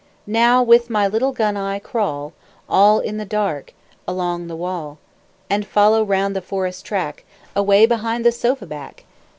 Now with my little gun I crawl, All in the dark, along the wall. And follow round the forest track Away behind the sofa back.